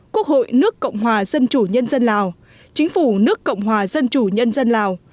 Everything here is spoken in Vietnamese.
quốc hội nước cộng hòa dân chủ nhân dân lào chính phủ nước cộng hòa dân chủ nhân dân lào